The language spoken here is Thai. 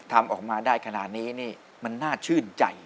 ทำออกมาได้ขนาดนี้นี่มันน่าชื่นใจ